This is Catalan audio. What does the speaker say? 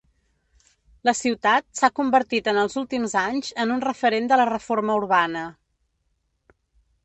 La ciutat s'ha convertit en els últims anys en un referent de la reforma urbana.